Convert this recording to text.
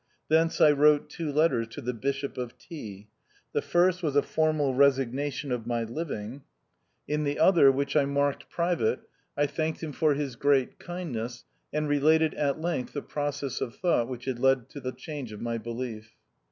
Thence I wrote two letters to the Bishop of T ; the first was a formal resignation of my living ; in the 1 i 3 o THE OUTCAST. other, which I marked "private," I thanked him for his great kindness, and related at length the process of thought which had led to the change of my belief.